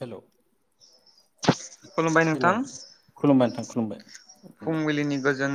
हेल खुलुमबाय हेल नोंथां खुलुमबाय खुलुमबाय। खुलुमबाय फुंबिलिनि गोजोन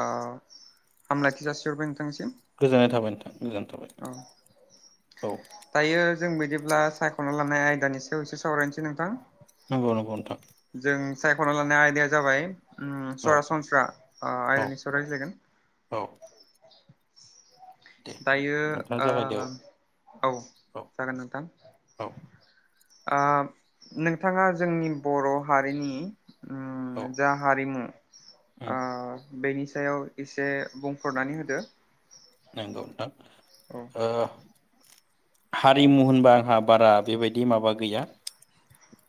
आं हामलायथि जासि हरबाय। गोजोननाय थाबाय नोंथां। गोजोननाय थाबाय औ औ दायो जों बिदिब्ला सायख'ना लानाय आयदानि सायाव एसे सावरायनोसै नोंथां। नंगौ नंगौ नोंथां। जों सायख'ना लानाय आयदाया जाबाय। ओम औ सरासनफ्रा ओ औ आयदानि सरायज्लायगोन। औ। दायो नोंथाङा जागायदो ओ औ जागोन नोंथां। औ औ ओ नोंथाङा जोंनि बर' हारिनि ओ औ जा हारिमु उम आ बेनि सा सायाव एसे बुंफोरनानै होदो। नंगौ नोंथां। औ ओ हारिमु होनबा आंहा बारा बेबायदि माबा गैया।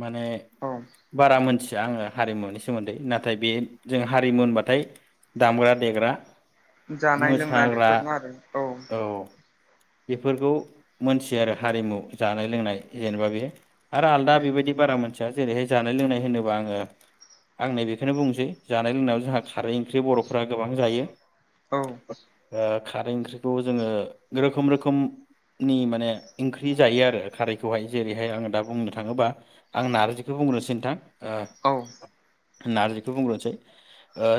माने औ बारा मोनथि थिया आङो हारिमुनि सोमोन्दै नाथाय बे जों हारिमु होनबाथाय दामग्रा-देग्रा जानाय-लोंनाय बेफोरनि आरो औ बेफोरखौ मसि आरो हारिमु जानाय लोंनाय जेनेबा बे आरो आलादा बेबायदि बारा मोन थिया जेरैहाय जानाय लोंनाय होनोबा आङो आं नै बेखौनो बुंनोसै जानाय लोंनायाव जोंहा खारै ओंख्रि बर'फ्रा गोबां जायो। औ ओ खारै ओंख्रिखौ जोङो रोखोम रोखोमनि माने ओंख्रि जायो आरो खारैखौहाय जेरैहाय आङो दा बुंनो थाङोबा आं नार्जिखौ बुंग्रोनोसै नोंथां औ नार्जिखौ बुंग्रोनोसै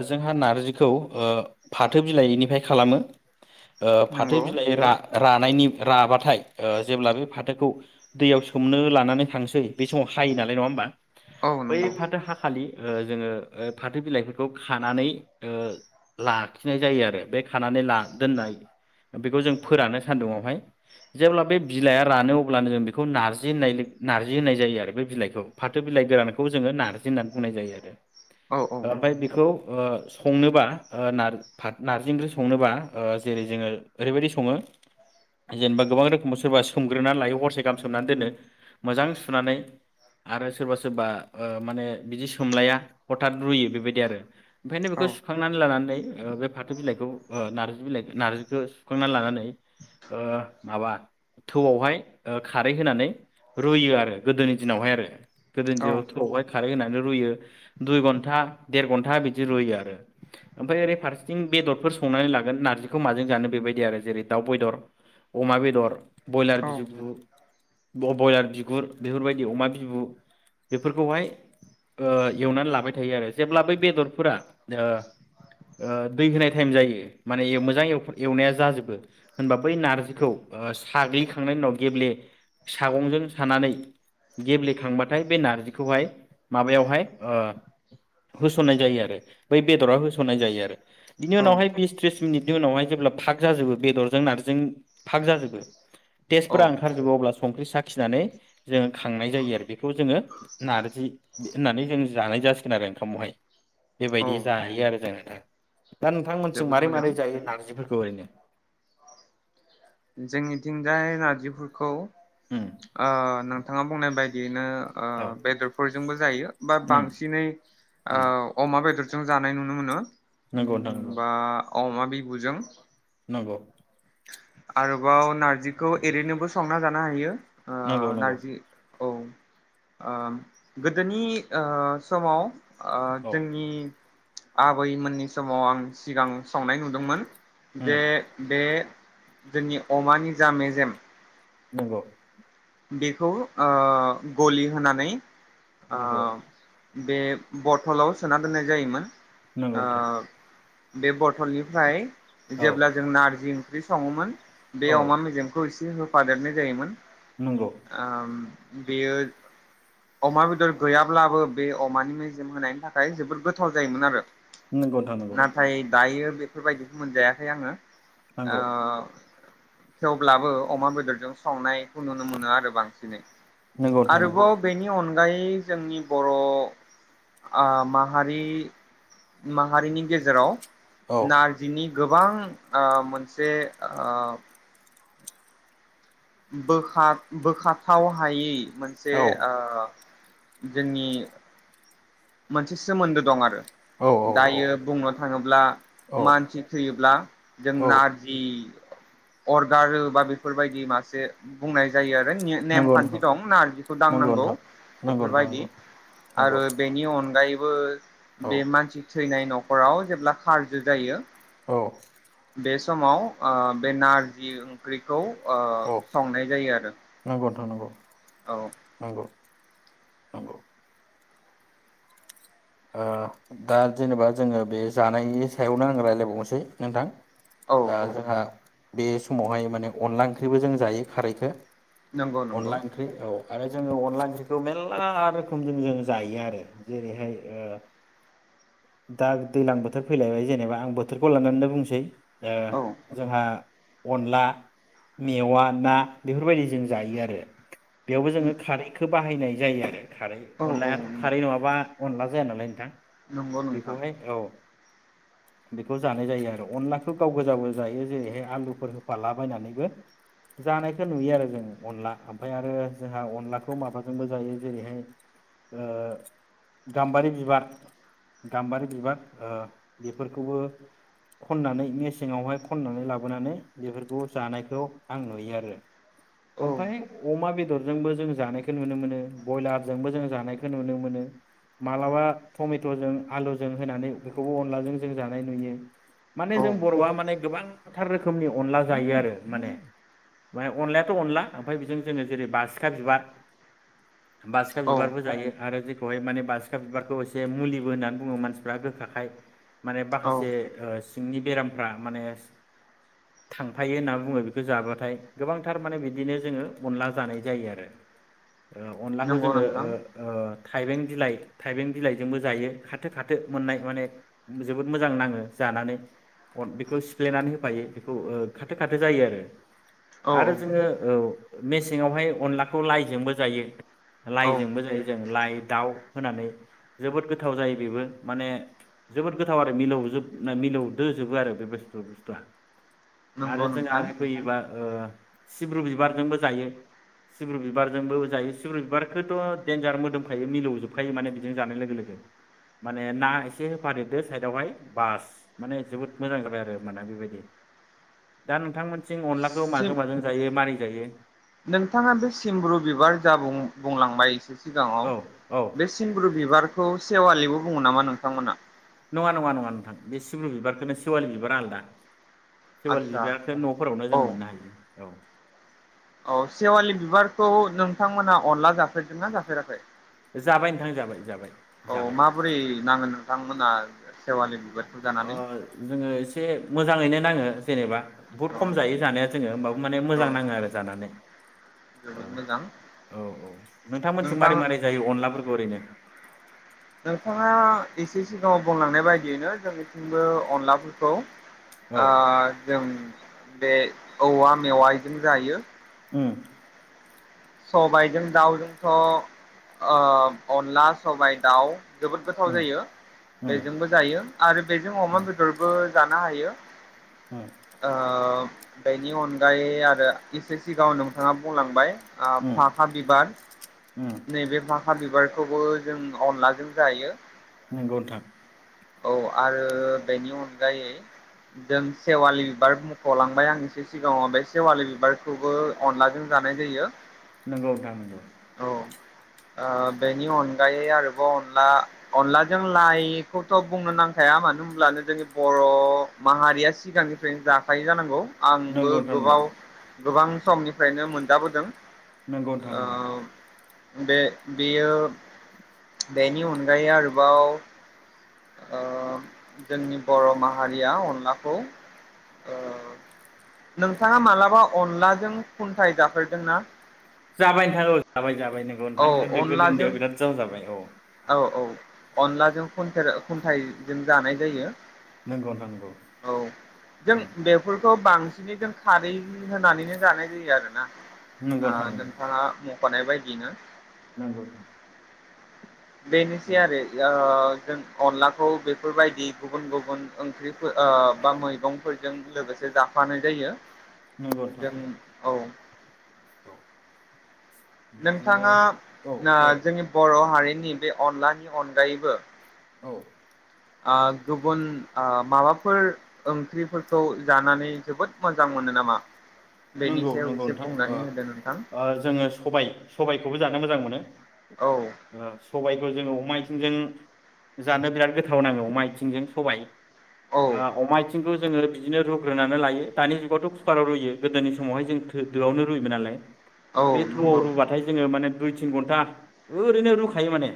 जोंहा नार्जिखौ फाथो बिलाइनिफ्राय खालामो। ओ फाथो नंगौ बिलाइ रा रानायनि राबाथाय ओ जेब्ला बे फाथोखौ दैयाव सोमनो लानानै थांसै बे समाव हायो नालाय नङा होमबा औ बै नंगौ फाथो हाखालि ओ जोङो फाथो बिलाइफोरखौ खानानै लाखिनाय जायो आरो बे खानानै ला दोननाय बेखौ जों फोरानो सान्दुंआवहाय जेब्ला बे बिलाइआ रानो अब्लानो जों बेखौ नारजि होननाय नार्जि होननाय जायो आरो बे बिलाइखौ फाथो बिलाइ गोरानखौ जोङो नार्जि होननानै बुंनाय जायो आरो औ औ ओमफ्राय बेखौ ओ संनोबा नारजि ओंख्रि संनोबा। ओ जेरै जोङो ओरैबायदि सङो जेनेबा गोबां रोखोमाव सोरबा सोमग्रोनानै लायो हरसे गाहाम सोमनानै दोनो मोजां सुनानै आरो सोरबा सोरबा माने ओ बिदि सोमलाया हथत रुयो बेबायदि आरो ओंखायनो औ बेखौ सुखांनानै लानानै ओ बे फाथो बिलाइखौ नारजि नारजि बिलाइ नारजिखौ सुखांनानै लानानै ओ माबा थौआवहाय खारै होनानै रुयो आरो गोदोनि दिनावहाय आरो गोदोनि औ दिनाव थौआवहाय खारै होनानै रुयो दुइ घन्टा देर घन्टा बिदि रुयो आरो ओमफ्राय ओरै फारसेथिं बेदरफोर संनानै लागोन नार बेखौ‌ माजों जानो बे‌ दाव बेदर अमा बेदर बयलार औ बिगुर बेफोर बादि अमा बिबु बेफोरखौ हायो एउनानै लाबाय थायो आरो लेब्ला बै बेदरफोरा ओ ओ दै होनाय टाइम जायो होनाय। जाय एवनाया जाजोबो होनबा बै नार्जिखौ साग्लिखांनायनि उनाव गेब्ले सागंजों सानानै गेब्लेखांबाथाय बे नारजिखौहाय माबायावहाय होसननाय जायो आरो बै बेदराव होसननाय जायो आरो बिनि औ उनावहाय बिस त्रिस मिनिट बिनि उनावहाय जेब्ला फाग जाजोबो बेदरजों नारजिजों फाग जाजोबो औ टेस्टफोरा ओंखारजोबो अब्लासो संख्रि साखिनानै जोङो खांनाय जायो आरो बेखौ जोङो नारजि होननानै जों जानाय जासिगोन आरो ओंखामावहाय औ बेबायदि जायो आरो जोङो‌। दा नोंथांमोनसिं जोबोद मारै मोजां मारै जायो। नारजिफोरखौ एरैनो जोंनिथिंजाय नारजिफोरखौ उम अ नों नाङा बुंनाय बायदियैनो ओ औ बेदरजोंबो जायो बा उम बांसिनै उम अमा जों जानाय नुनो मोनो नंगौ उम नोंथां बा अमा बिबुजों नांगौ आरोबाव नारजिखौ एरैनोबो संना जानो हायो। ओ नंगौ नंगौ नंगौ नारजि औ ओ गोदोनि ओ समाव ओ औ जोंनि आबैमोननि समाव आं सिगां सावनाय नुदोंमोन जे उम बे जोंनि अमानि जा मेजेम नंगौ बेखौ ओ गलि होनानै ओ नंगौ बे बथलाव सोना दोननाय जायोमोन नंगौ ओ नोंथां बे बथलनिफ्राय औ जेब्ला जों नारजि ओंख्रि सङोमोन बे औ अमा मेजेमखौ एसे हो फादारनो जायोमोन नंगौ आ बेयो अमा बेदर गैयाब्लाबो बे अमानि मेजेम होनायनि थाखाय जोबोद गोथाव जायोमोन आरो नंगौ नोंथां नंगौ नाथाय दायो बेफोरबायदिखौ मोनजायाखै आङो नंगौ ओ थेवब्लाबो अमा बेदरजों सावनायखौ नु नुनो मोनो आरो बांसिनै नंगौ नोंथां नंगौ आरोबाव बेनि अन अनगायै जोंनि बर' आ माहारि माहारिनि गेजेराव औ नारजिनि गोबां ओ मोनसे ओ- बोखा बोखाथाव हायै मोनसे औ ओ जोंनि मोनसे सोमोन्दो दं आरो। औ औ दायो बुंनो थाङोब्ला औ मानसि थैयोब्ला जों औ नारजि अर गारो बा बेफोरबायदि मासे बुंनाय जायो आरो। नंगौ नेमखान्थि नंगौ दं नारजिखौ नंगौ दांनांगौ नोंथां नंगौ नोंथां बेफोरबायदि नंगौ नंगौ आरो। नि अनगायैबो औ बे मानसि थैनाय। न'खराव जेब्ला खारजु जायो। औ बे समाव ओ बे नारजि ओंख्रिखौ ओ औ संनाय जायो आरो। नंगौ नंगौ औ नंगौ ओ दा जेनेबा जोङो बे जानायनि सायावनो आं रायज्लायबावनोसै नोंथां। औ ओ औ दाथ हा। बे समावहाय माने अनला ओंख्रिबो जों जायो खारैखो नंगौ नंगौ अनला ओंख्रि औ आरो जोङो अनला ओंख्रिखौ मेरला रोखोमजों जोङो जायो आरो जेरैहाय ओ दा दै्लां बोथोर फैलायबाय जेनेबा आं बोथोरखौ लनानै बुंसै ओ औ जोंहा अनला मेवा ना बेफोरबायदि जों जायो आरो। बेयावबो जोङो खारैखौ बाहायनाय जायो आरो। खारै औ औ अनलायाथ' खारै नङाबा माबा जाया नालाय नोंथां। नंगौ नोंथां बेखौहाय औ। बेखौ जानाय जायो आरो अनलाखौ गाव गोजावबो जायो जेरैहाय आलुफोर होफालाबायनानैबो जानायखौ नुयो आरो जों अनला ओमफ्राय आरो जोंहा अनलाखौ माबाजोंबो जायो जेरैहाय ओ। गाम्बारि बिबार गाम्बारि बिबार ओ बेफोरखौबो खननानै मेसेङावहाय खननानै लाबोनानै बेफोरखौ जानायखौ आं नुयो आरो औ ओमफ्राय अमा बेदरजोंबो जों जानायखौ नुनो मोनो ब्रयलारजोंबो जों जानायखौ नुनो मोनो। मालाबा टमेट'जों आलुजों होनानै बेखौबो अनलाजों जों जानाय नुयो। माने औ जों बर'आ माने गोबांथार रोखोमनि अनला जायो आरो माने मे अनलायाथ' अनला ओमफ्राय बेजों जोङो जेरै बासिखा बिबार बासिखा औ बिबारबो जायो आरो माने बास सिखा बिबारखौ एसे मुलिबो होन्नानै बुङो मानसिफ्रा गोखाखाय माने औ बाखासे ओ सिंनि बेरामफ्रा माने थांफायो होननानै बुङो बेखौ जाबाथाय गोबांथार माने बिदिनो जोङो अनला जानाय जायो आरो ओ अनलाखौ नंगौ जोङो नोंथां ओ थाइबें बिलाइ थाइबें बिलाइजोंबो जायो खाथो खाथो मोननाय माने जोबोद मोजां नाङो जानानै अ बेखौ सिफ्लेनानै होफायो बेखौ ओ खाथो खाथो जायो आरो औ आरो जोङो औ मेसेङावहाय अनलाखौ लाइजोंबो जायो औ लाइजोंबो जायो जों लाइ दाउ होनानै जोबोद गोथाव जायो बेबो माने जोबोद गोथाव आरो मिलौजोब मिलौदोजोबो आरो बे बस्थु-बुस्थुआ आरो नंगौ जोङा नोंथां ओरै फैयो एबार ओ सिब्रु बिबारजोंबो जायो सिब्रु बिबारजोंबो जायो सिब्रु बिबारखौथ' देनजार मोदोमखायो मिलौजोब खायो माने बेजों जानाय लोगो लोगो माने ना एसे होफादेरदो साइदावहाय बास माने जोबोद मोजां जाबाय आरो होमबाना बेबायदि दा नोंथां मोनथिं अनलाखौ सिम माजों माजों जायो मारै जायो नोंथाङा बे सिमब्रु बिबार जा बुं-बुंलांबाय एसे सि सिगाङाव औ औ बे सिमब्रु बिबार खौ सेवालिबो बुङो नामा नोंथांमोना नङा नङा नङा नोंथां बे सिब्रु बिबारखौनो सिवालि बिबारा आलादा सेवा आदसा बिबारखो न'फोरावनो औ जों मोननो हायो औ औ सेवालि बिबारखौ नोंथांमोना अनला जाफेरदों ना जाफेराखै जाबाय नोंथां जाबाय जाबाय औ जाबाय माबोरै नांगोन नोंथांमोना सेवालि बिबारखौ ओ जानानै जोङो एसे मोजाङैनो नाङो जेनेबा बुहुत औ खम जायो जानाया जोङो होमबाबो माने औ मोजां नाङो आरो जानानै औ जोबोद मोजां औ औ नोंथां मोनथिं मारै मारै जायो अनलाफोरखौ ओरैनो नोंथाङा एसे सिगाङाव बुंलांनाय बायदियैनो जोंनिथिंबो अनलाफोरखौ औ ओ जों बे औवा मेवाइजों जायो उम सबाइजों दाउजोंथ' ओ अनला सबाइ दाउ जोबोद गोथाव उम जायो उम बेजोंबो जायो आरो बेजों अमा उम बेदरबो जानो हायो उम ओ बेनि अनगायै आरो एसे सिगाङाव नोंथाङा बुंलांबाय ओ उम फाखा बिबार उम नैबे फाखा बिबार खौबो जों अनलाजों जायो नोंगौ नोंथां औ आरो बेनि अनगायै जों सेवालि बिबार मख'लांबाय आं एसे सिगाङाव बे सेवालि बिबारखौबो अनलाजों जानाय जायो नोंगौ नोंथां नोंगौ औ ओ बेनि अनगायै आरो ब अनला अनलाजों लाइखौथ' बुंनो नांखाया मानो होनोमब्लानो जोंनि बर' माहारिया सिगांनिफ्रायनो जाखायो जानांगौ आंबो नंगौ नोंथां नंगौ गोबाव गोबां समनिफ्रायनो मोनजाबोदों नोंगौ नोंथां नोंगौ ओ बे बेयो बेनि अनगायै आरोबाव ओ जोंनि बर' माहारिया अनलाखौ ओ नोंथाङा मालाबा अनलाजों खुन्थाय जाफेरोदोंना जाबाय नोंथा औ जाबाय जा बाय नोंगौ औ नोंथा ओन्दो गोदो अनलाजों ओन्दैयाव बिराद जावजाबाय औ औ औ अनलाजों खुन्थोर खुन्थाइजों जानाय जायो नंगौ नोंथां नंगौ औ जों उम बेफोरखौ बां बिनिजों खारै होनानैनो जानाय जायो आरो ना नंगौ आ नोंथां नोंथाङा बानाय बायदिनो नोंगौ नोंथां बेनिसै आरो नंगौ या जों अनलाखौ बेफोरबायदि गुबुन गुबुन ओंख्रिफो ओ बा मैगंफोरजों लोगोसे जाफानाय जायो नंगौ नोंथां जों औ औ बिदिनो नोंथाङा ना औ जोंनि बर' हारि नि बे अनलानि अनगायैबो औ ओ गुबुन ओ माबाफोर ओंख्रिफोरखौ जानानै जोबोद मोजां मोनो नामा बेनि नंगौ सायाव नंगौ एसे नोंथां ओ बुंनानै होदो नोंथां ओ जोङो सबाइ सबाइखौबो जानो मोजां मोनो औ ओ सबायखौ जोङो अमा आय आथिंजों जानो बिराद गोथाव नाङो अमा आइथिंजों सबाइ। आ औ अमा आइथिंख। जोङो बिदिनो रुग्रोनानै लायो दानि जुगावथ' कुकाराव रुयो। गोदोनि समावहाय जों दोआवनो रुयोमोन नालाय। औ बे थौआव नंगौ रुबाथाय जोङो माने दुइ तिन घन्टा ओरैनो रुखायो माने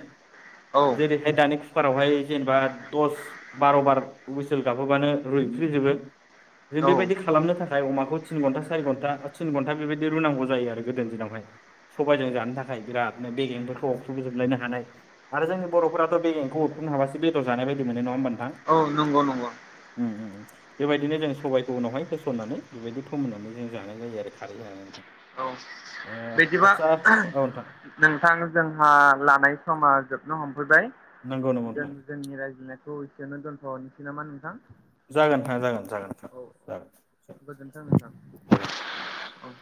औ जेरैहाय दानि कुकारावहाय जेनेबा दस बार' बार हुइसेल गाबहोबानो रुइफ्रिजोबो जों औ बेबायदि खालामनो थाखाय अमाखौ। थिन घन्टा सारि घन्टा थिन घन्टा बेबायदि रुनांगौ जायो आरो गोदो दिनावहाय सब्बायजों जानो थाखाय बिरादनो बेगेंफोरखौ अरख्रुबजोबलायनो हानाय आरो जोंनि बर'फोराथ' बेगेंखौ अरख्रुनो हाबासो बेदर जानाय बायदि मोनो नङा होमबा? नोंथां औ नंगौ नंगौ। उम उम बेबायदिनो जों सबबायखौ उनावहाय होसननानै बेबायदि खौ होननानै जों जानाय जायो आरो खारै होनानै। औ ओ बिदिबा आदसा औ नोंथां नोंथां जोंहा लानाय समा जोबनो हमफैबाय। नंगौ नंगौ जों नोंथां जोंनि रायज्लायनाय थ' एसेयावनो दोनथ'नोसै नामा नोंथां? जागोन नोंथां जागोन जागोन नोंथां औ औ जागोन जागोन गोजोनथों नोंथां जागोन। औ